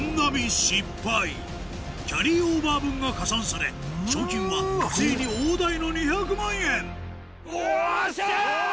キャリーオーバー分が加算され賞金はついに大台の２００万円よっしゃ！